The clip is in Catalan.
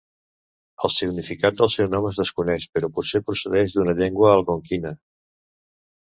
El significat del seu nom es desconeix, però potser procedeix d'una llengua algonquina.